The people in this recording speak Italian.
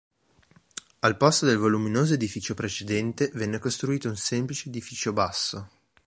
Al posto del voluminoso edificio precedente, venne costruito un semplice edificio basso.